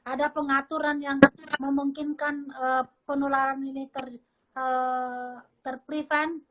ada pengaturan yang memungkinkan penularan ini ter prevent